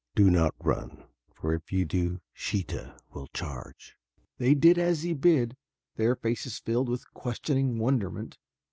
"Do not run for if you run Sheeta will charge." They did as he bid, their faces filled with questioning wonderment.